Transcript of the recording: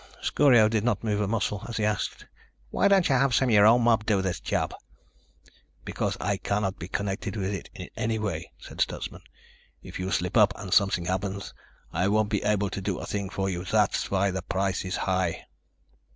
Scorio did not move a muscle as he asked: "Why don't you have some of your own mob do this job?" "Because I can't be connected with it in any way," said Stutsman. "If you slip up and something happens, I won't be able to do a thing for you. That's why the price is high."